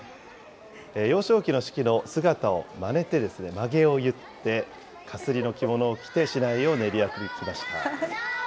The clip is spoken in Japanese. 幼少期の子規の姿をまねて、まげを結って、かすりの着物を着て、市内を練り歩きました。